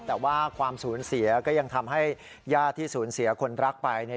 แต่ว่าความสูญเสียก็ยังทำให้ญาติที่สูญเสียคนรักไปเนี่ย